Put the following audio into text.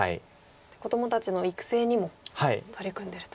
子どもたちの育成にも取り組んでると。